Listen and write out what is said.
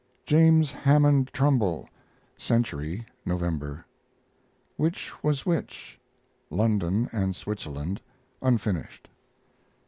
JAMES HAMMOND TRUMBULL Century, November. WHICH WAS WHICH? (London and Switzerland) (unfinished).